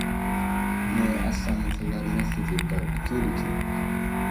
Nay aslam məvəlar meltivi daw ɗikiɗiki.